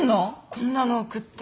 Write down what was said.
こんなの送って。